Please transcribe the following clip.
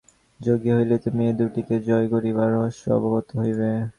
যোগী হইলেই তুমি এ-দুটিকে জয় করিবার রহস্য অবগত হইবে।